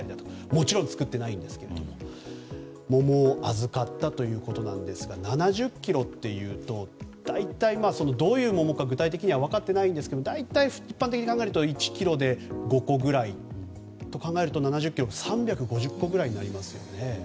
もちろん作っていないんですが桃を預かったということですが７０ｋｇというとどういう桃かは具体的に分かっていませんが大体、一般的に言うと１ｋｇで５個ぐらいと考えると７０ｋｇだと３５０個くらいになりますよね。